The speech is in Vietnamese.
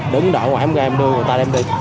đứng đợi ngoài em ra em đưa người ta đem đi